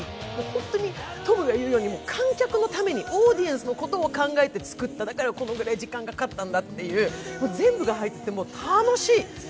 ホントにトムがいうように、観客のためにオーディエンスのことを考えて作った、だからこのぐらい時間がかかったんだと、全部が入ってて楽しい。